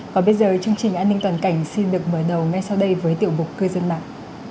còn bây giờ chương trình an ninh toàn cảnh xin được mở đầu ngay sau đây với tiểu mục cư dân mạng